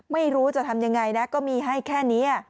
ไม่รู้จะทำยังไงนะก็มีให้แค่นี้